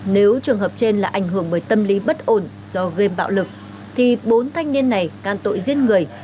nếu trường hợp trên là ảnh hưởng bởi tâm lý bất ổn do game bạo lực thì bốn thanh niên này can tội giết người